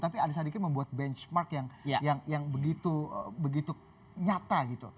tapi ali sadikin membuat benchmark yang begitu nyata gitu